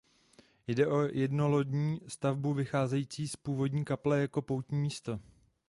Jde o jednolodní stavbu vycházející z původní kaple jako poutní místo.